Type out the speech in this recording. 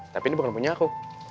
tapi ini bukan punya aku